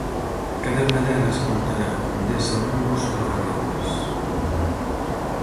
Cada unha delas contará con dez alumnos-traballadores.